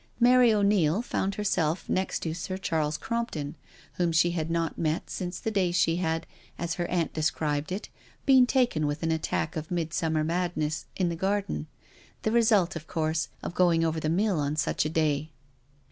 Mary 0*Neil found herself next to Sir Charles Crompton, whom she had not met since the day she had, as her aunt described it, been taken with an attack of midsummer madness in the garden, the result, of course, of going over the mill on such a day.